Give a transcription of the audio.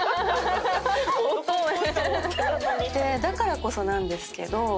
だからこそなんですけど。